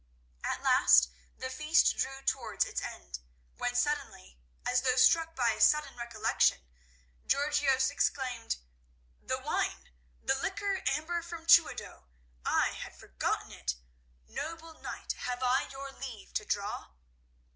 At last the feast drew towards its end, when suddenly, as though struck by a sudden recollection, Georgios exclaimed: "The wine! The liquid amber from Trooidos! I had forgotten it. Noble knight, have I your leave to draw?"